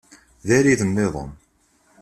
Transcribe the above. D arid-nniḍen.